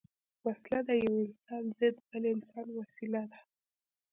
وسله د یو انسان ضد بل انسان وسيله ده